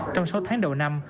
trong sáu tháng đầu năm